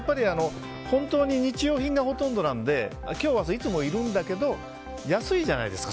本当に日用品がほとんどなんでいつもいるんだけど安いじゃないですか